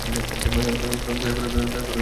দয়া করে আমাদের যেতে দিন।